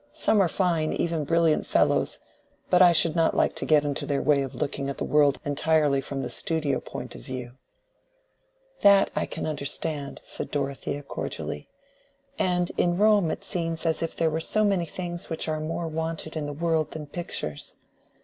Some are fine, even brilliant fellows—but I should not like to get into their way of looking at the world entirely from the studio point of view." "That I can understand," said Dorothea, cordially. "And in Rome it seems as if there were so many things which are more wanted in the world than pictures.